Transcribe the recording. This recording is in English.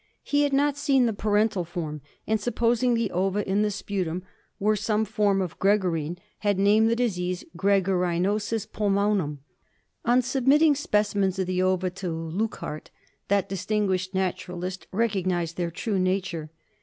He had not seen the parental form, and, supposing the ova in the sputa were some 46 ENDEMIC HEMOPTYSIS. form of gregarine, had named tbe disease Gregarinosis pulmonum. On submitting specimens of the ova to Leuckart, that distinguished naturalist recognised their true nature.